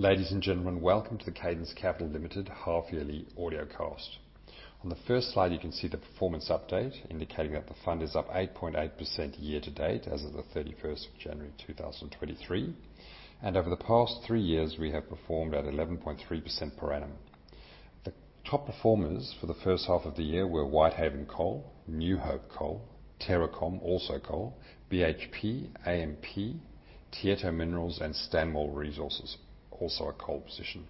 Ladies and gentlemen, welcome to the Cadence Capital Limited half yearly audio cast. On the first slide, you can see the performance update indicating that the fund is up 8.8% year to date as of the 31st of January 2023. Over the past three years, we have performed at 11.3% per annum. The top performers for the first half of the year were Whitehaven Coal, New Hope Coal, TerraCom, also coal, BHP, AMP, Tietto Minerals, and Stanmore Resources, also a coal position.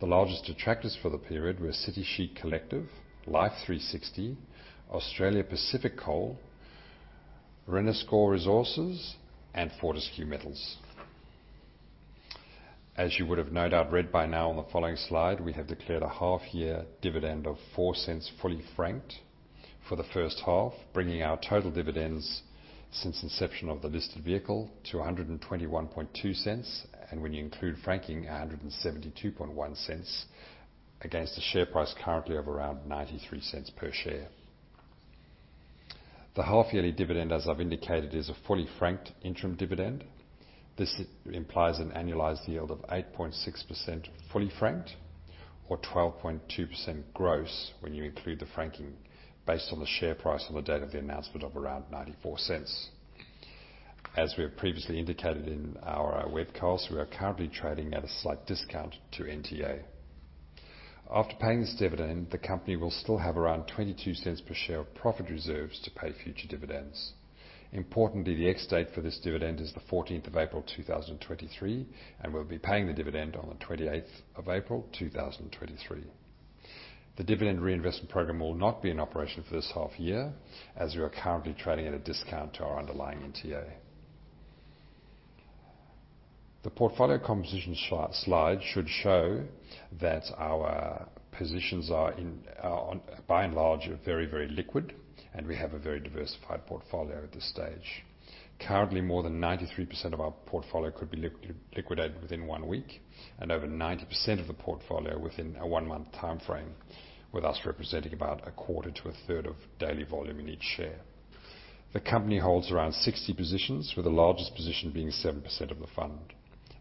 The largest detractors for the period were City Chic Collective, Life360, Australian Pacific Coal, Renascor Resources, and Fortescue Metals. As you would have no doubt read by now on the following slide, we have declared a half year dividend of 0.04 fully franked for the first half, bringing our total dividends since inception of the listed vehicle to 1.212, and when you include franking, 1.721 against the share price currently of around 0.93 per share. The half yearly dividend, as I've indicated, is a fully franked interim dividend. This implies an annualized yield of 8.6% fully franked or 12.2% gross when you include the franking based on the share price on the date of the announcement of around 0.94. As we have previously indicated in our webcast, we are currently trading at a slight discount to NTA. After paying this dividend, the company will still have around 0.22 per share of profit reserves to pay future dividends. Importantly, the ex-date for this dividend is the 14th of April 2023. We'll be paying the dividend on the 28th of April 2023. The dividend reinvestment program will not be in operation for this half year as we are currently trading at a discount to our underlying NTA. The portfolio composition slide should show that our positions are on, by and large, very liquid, and we have a very diversified portfolio at this stage. Currently, more than 93% of our portfolio could be liquidated within one week and over 90% of the portfolio within a one-month timeframe, with us representing about a quarter to a third of daily volume in each share. The company holds around 60 positions, with the largest position being 7% of the fund.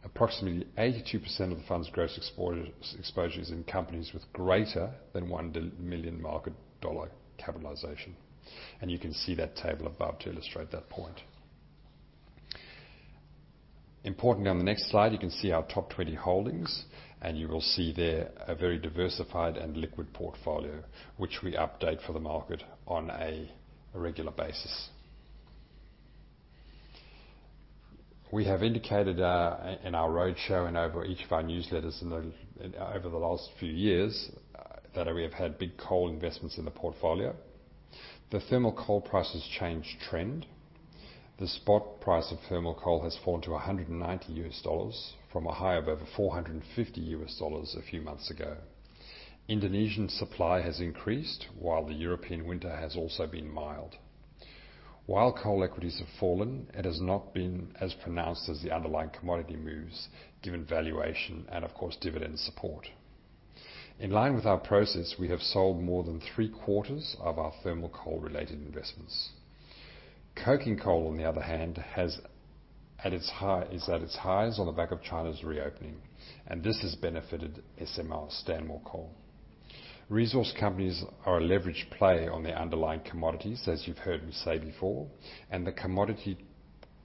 Approximately 82% of the fund's gross exposure is in companies with greater than 1 million market dollar capitalization. You can see that table above to illustrate that point. Importantly, on the next slide, you can see our top 20 holdings, you will see there a very diversified and liquid portfolio which we update for the market on a regular basis. We have indicated in our roadshow and over each of our newsletters over the last few years, that we have had big coal investments in the portfolio. The thermal coal price has changed trend. The spot price of thermal coal has fallen to $190 from a high of over $450 a few months ago. Indonesian supply has increased while the European winter has also been mild. Coal equities have fallen, it has not been as pronounced as the underlying commodity moves given valuation and of course, dividend support. In line with our process, we have sold more than three-quarters of our thermal coal-related investments. Coking coal, on the other hand, is at its highs on the back of China's reopening. This has benefited SMR, Stanmore Coal. Resource companies are a leveraged play on the underlying commodities, as you've heard me say before. The commodity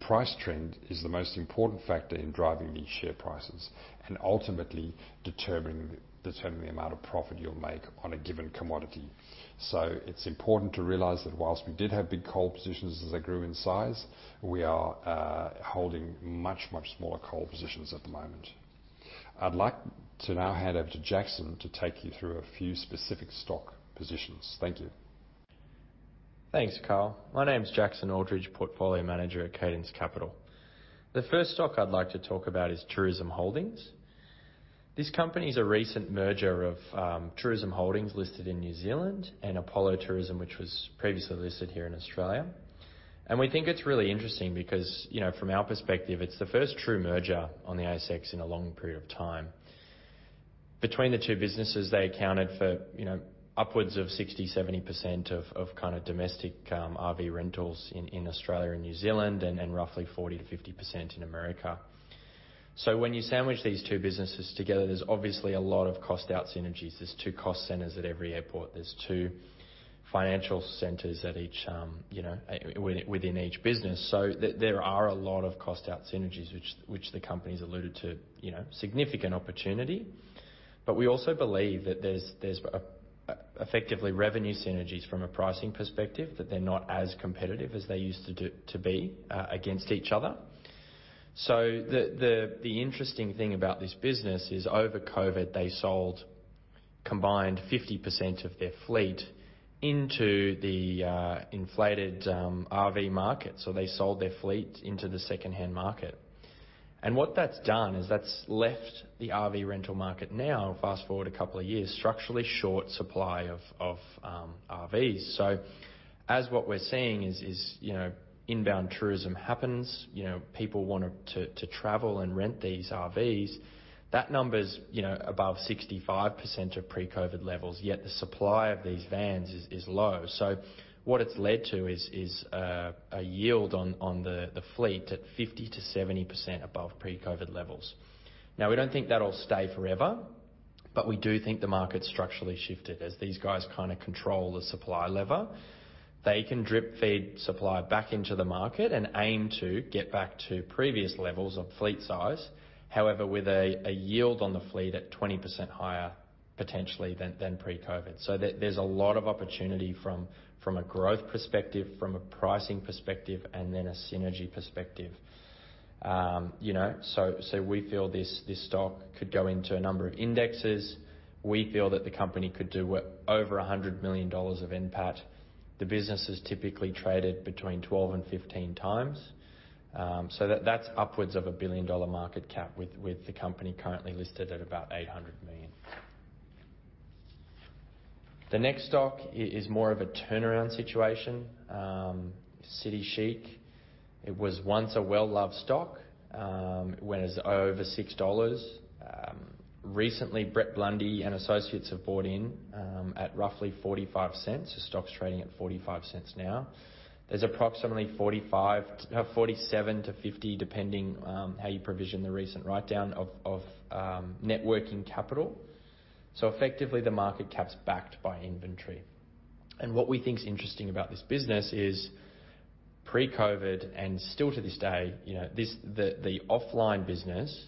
price trend is the most important factor in driving these share prices and ultimately determining the amount of profit you'll make on a given commodity. It's important to realize that whilst we did have big coal positions as they grew in size, we are holding much, much smaller coal positions at the moment. I'd like to now hand over to Jackson to take you through a few specific stock positions. Thank you. Thanks, Karl. My name's Jackson Aldridge, portfolio manager at Cadence Capital. The first stock I'd like to talk about is Tourism Holdings. This company is a recent merger of Tourism Holdings listed in New Zealand and Apollo Tourism, which was previously listed here in Australia. We think it's really interesting because, you know, from our perspective, it's the first true merger on the ASX in a long period of time. Between the two businesses, they accounted for, you know, upwards of 60%, 70% of kind of domestic RV rentals in Australia and New Zealand and roughly 40%-50% in America. When you sandwich these two businesses together, there's obviously a lot of cost out synergies. There's two cost centers at every airport. There's two financial centers at each, you know, within each business. There are a lot of cost out synergies which the company's alluded to, you know, significant opportunity. We also believe that there's effectively revenue synergies from a pricing perspective, that they're not as competitive as they used to be against each other. The interesting thing about this business is over COVID, they sold combined 50% of their fleet into the inflated RV market. They sold their fleet into the secondhand market. What that's done is that's left the RV rental market now, fast forward a couple of years, structurally short supply of RVs. As what we're seeing is, you know, inbound tourism happens, you know, people want to travel and rent these RVs. That number's, you know, above 65% of pre-COVID levels, yet the supply of these vans is low. What it's led to is a yield on the fleet at 50%-70% above pre-COVID levels. Now, we don't think that'll stay forever. We do think the market's structurally shifted as these guys kind of control the supply lever. They can drip-feed supply back into the market and aim to get back to previous levels of fleet size. However, with a yield on the fleet at 20% higher potentially than pre-COVID. There's a lot of opportunity from a growth perspective, from a pricing perspective, and then a synergy perspective. You know, so we feel this stock could go into a number of indexes. We feel that the company could do over 100 million dollars of NPAT. The business is typically traded between 12x and 15x. That's upwards of a billion-dollar market cap with the company currently listed at about 800 million. The next stock is more of a turnaround situation, City Chic. It was once a well-loved stock when it was over 6 dollars. Recently, Brett Blundy and associates have bought in at roughly 0.45. The stock's trading at 0.45 now. There's approximately 0.47-0.50, depending how you provision the recent write-down of net working capital. Effectively, the market cap's backed by inventory. What we think is interesting about this business is pre-COVID and still to this day, you know, the offline business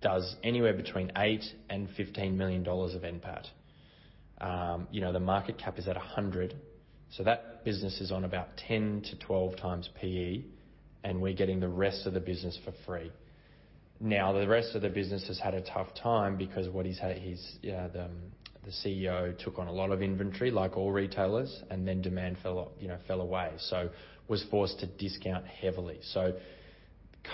does anywhere between 8 million-15 million dollars of NPAT. You know, the market cap is at 100 million, so that business is on about 10x-12x PE, and we're getting the rest of the business for free. The rest of the business has had a tough time because what he's the CEO took on a lot of inventory, like all retailers, and then demand fell, you know, fell away. Was forced to discount heavily.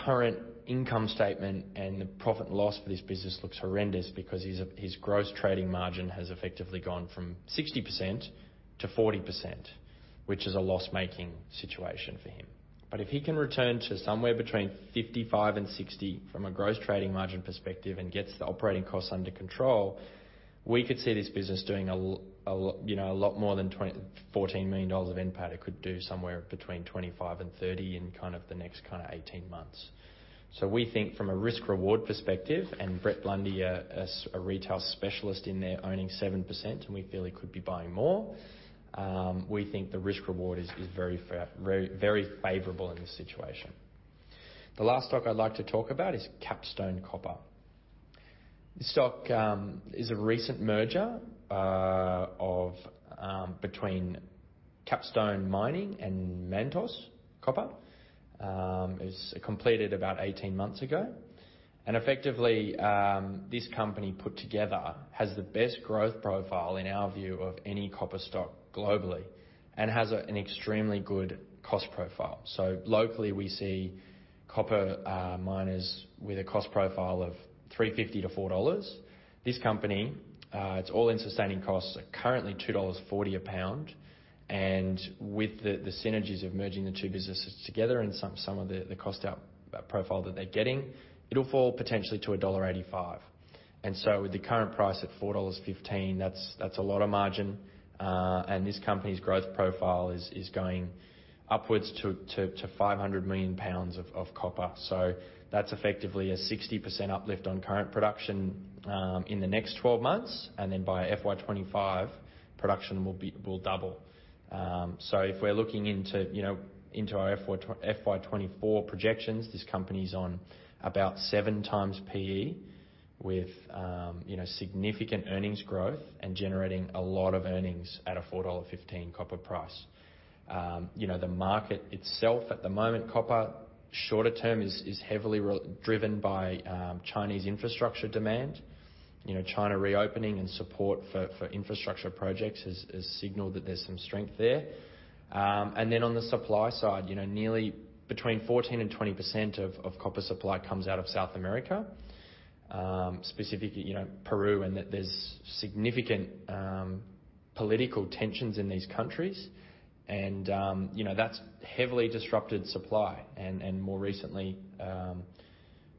Current income statement and the profit and loss for this business looks horrendous because his gross trading margin has effectively gone from 60%-40%, which is a loss-making situation for him. If he can return to somewhere between 55% and 60% from a gross trading margin perspective and gets the operating costs under control, we could see this business doing you know, a lot more than 14 million dollars of NPAT. It could do somewhere between 25 million and 30 million in kind of the next kinda 18 months. We think from a risk/reward perspective and Brett Blundy, a retail specialist in there owning 7%, and we feel he could be buying more, we think the risk/reward is very, very favorable in this situation. The last stock I'd like to talk about is Capstone Copper. This stock is a recent merger of between Capstone Mining and Mantos Copper. It was completed about 18 months ago. Effectively, this company put together has the best growth profile in our view of any copper stock globally and has an extremely good cost profile. Locally, we see copper miners with a cost profile of $3.50-$4. This company, its all-in sustaining costs are currently $2.40 a pound. With the synergies of merging the two businesses together and some of the cost out profile that they're getting, it'll fall potentially to $1.85. With the current price at $4.15, that's a lot of margin. This company's growth profile is going upwards to 500 million pounds of copper. That's effectively a 60% uplift on current production in the next 12 months. By FY 2025, production will double. If we're looking into, you know, into our FY 2024 projections, this company's on about 7x PE with, you know, significant earnings growth and generating a lot of earnings at a $4.15 copper price. You know, the market itself at the moment, copper shorter term is heavily driven by Chinese infrastructure demand. You know, China reopening and support for infrastructure projects has signaled that there's some strength there. On the supply side, you know, nearly between 14% and 20% of copper supply comes out of South America, specifically, you know, Peru, and that there's significant political tensions in these countries. You know, that's heavily disrupted supply. More recently,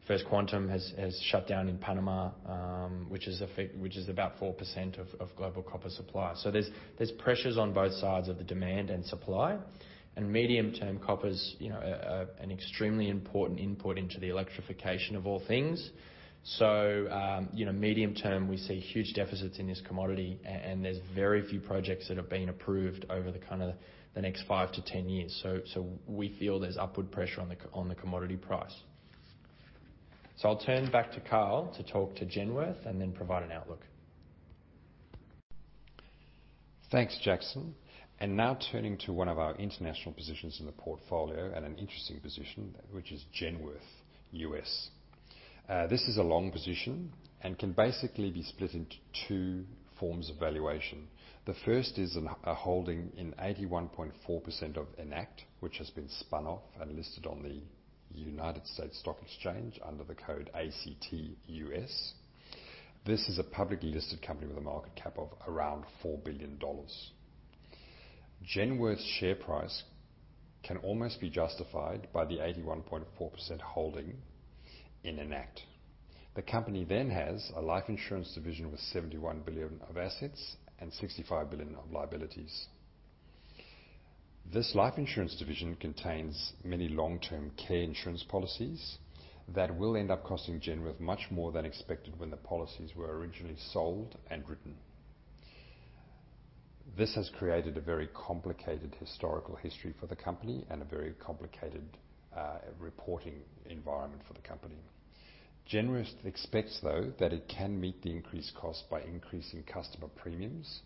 First Quantum has shut down in Panama, which is about 4% of global copper supply. There's pressures on both sides of the demand and supply. Medium-term copper's, you know, an extremely important input into the electrification of all things. You know, medium term, we see huge deficits in this commodity and there's very few projects that have been approved over the kinda the next 5 years-10 years. So we feel there's upward pressure on the commodity price. I'll turn back to Karl to talk to Genworth and then provide an outlook. Thanks, Jackson. Now turning to one of our international positions in the portfolio and an interesting position, which is Genworth U.S. This is a long position and can basically be split into two forms of valuation. The first is a holding in 81.4% of Enact, which has been spun off and listed on the Nasdaq under the code ACT. This is a publicly listed company with a market cap of around $4 billion. Genworth's share price can almost be justified by the 81.4% holding in Enact. The company then has a life insurance division with $71 billion of assets and $65 billion of liabilities. This life insurance division contains many long-term care insurance policies that will end up costing Genworth much more than expected when the policies were originally sold and written. This has created a very complicated historical history for the company and a very complicated reporting environment for the company. Genworth expects, though, that it can meet the increased cost by increasing customer premiums.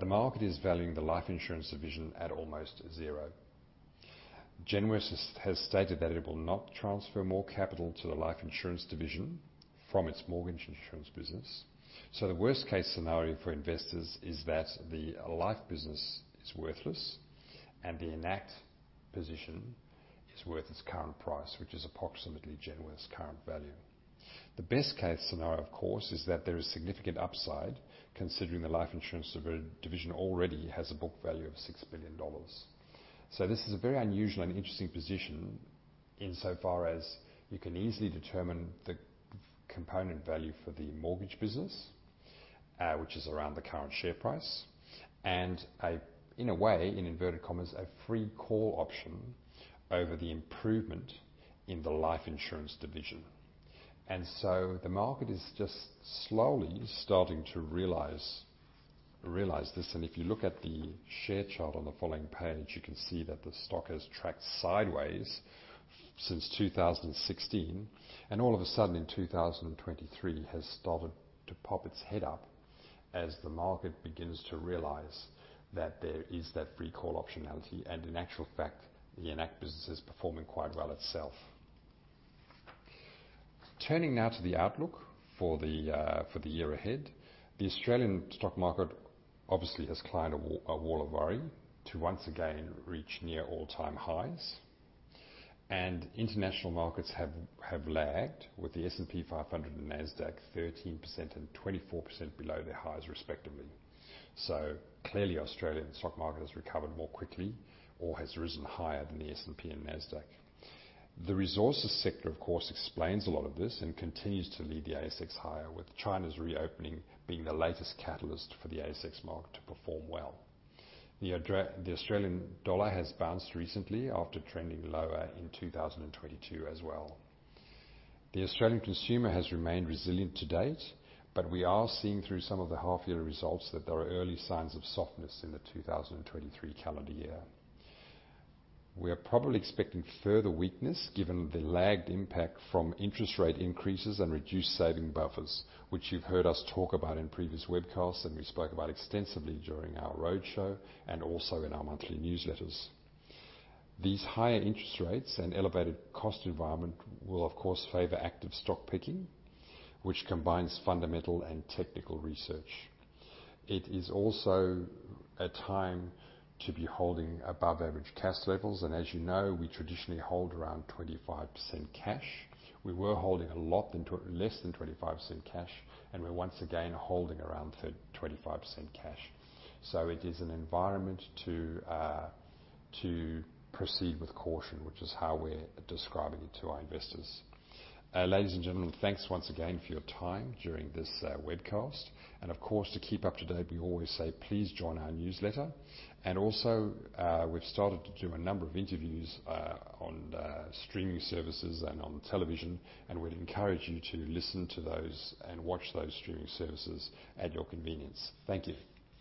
The market is valuing the life insurance division at almost zero. Genworth has stated that it will not transfer more capital to the life insurance division from its mortgage insurance business. The worst case scenario for investors is that the life business is worthless and the Enact position is worth its current price, which is approximately Genworth's current value. The best case scenario, of course, is that there is significant upside considering the life insurance division already has a book value of $6 billion. This is a very unusual and interesting position in so far as you can easily determine the component value for the mortgage business, which is around the current share price, and a, in a way, in inverted commas, a free call option over the improvement in the life insurance division. The market is just slowly starting to realize this. If you look at the share chart on the following page, you can see that the stock has tracked sideways since 2016, and all of a sudden in 2023 has started to pop its head up as the market begins to realize that there is that free call optionality. In actual fact, the Enact business is performing quite well itself. Turning now to the outlook for the year ahead. The Australian stock market obviously has climbed a wall of worry to once again reach near all-time highs. International markets have lagged with the S&P 500 and Nasdaq 13% and 24% below their highs respectively. Clearly, the Australian stock market has recovered more quickly or has risen higher than the S&P and Nasdaq. The resources sector, of course, explains a lot of this and continues to lead the ASX higher, with China's reopening being the latest catalyst for the ASX market to perform well. The Australian dollar has bounced recently after trending lower in 2022 as well. The Australian consumer has remained resilient to date, but we are seeing through some of the half year results that there are early signs of softness in the 2023 calendar year. We are probably expecting further weakness given the lagged impact from interest rate increases and reduced saving buffers, which you've heard us talk about in previous webcasts and we spoke about extensively during our roadshow and also in our monthly newsletters. These higher interest rates and elevated cost environment will of course favor active stock picking, which combines fundamental and technical research. It is also a time to be holding above average cash levels. As you know, we traditionally hold around 25% cash. We were holding less than 25% cash, and we're once again holding around 25% cash. It is an environment to proceed with caution, which is how we're describing it to our investors. Ladies and gentlemen, thanks once again for your time during this webcast. Of course, to keep up to date, we always say, please join our newsletter. Also, we've started to do a number of interviews, on streaming services and on television, and we'd encourage you to listen to those and watch those streaming services at your convenience. Thank you.